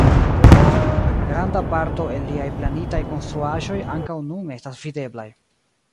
Granda parto el liaj planitaj konstruaĵoj ankaŭ nun estas videblaj.